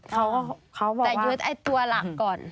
แต่ยึดไอ้ตัวหลักก่อน